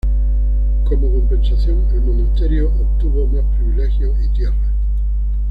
Como compensación, el monasterio obtuvo más privilegios y tierras.